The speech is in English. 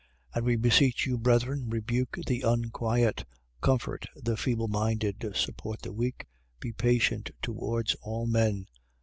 5:14. And we beseech you, brethren, rebuke the unquiet: comfort the feeble minded: support the weak: be patient towards all men.